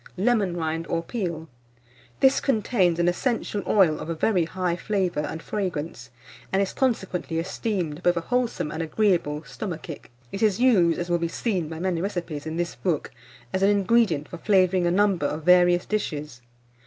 LEMON RIND OR PEEL. This contains an essential oil of a very high flavour and fragrance, and is consequently esteemed both a wholesome and agreeable stomachic. It is used, as will be seen by many recipes in this book, as an ingredient for flavouring a number of various dishes.